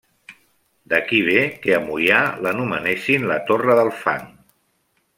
D'aquí ve que a Moià l'anomenessin la Torre del Fang.